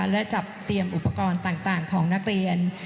และจัดเตรียมอุปกรณ์ต่างของนักเรียน